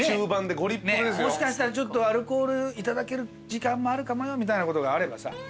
もしかしたらちょっとアルコールいただける時間もあるかなみたいなことがあればさ。